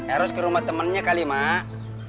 eros ke rumah temennya kali emak